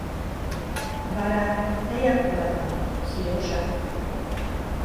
— Вара тыяк улат мо, Серёжа?